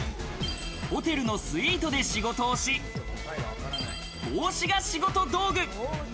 ホテルのスイートで仕事をし、帽子が仕事道具。